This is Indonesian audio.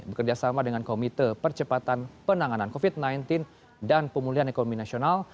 bekerjasama dengan komite percepatan penanganan covid sembilan belas dan pemulihan ekonomi nasional